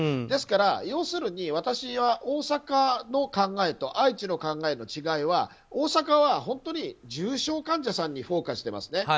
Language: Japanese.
ですから、要するに私は大阪の考えと愛知の考えの違いは大阪は本当に重症患者さんにフォーカスしていますね。